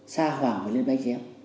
xa khoảng phải lên máy chém